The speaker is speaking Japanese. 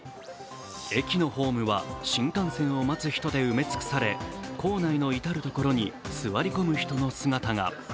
駅のホームは新幹線を待つ人で埋め尽くされ、構内の至る所に座り込む人の姿が。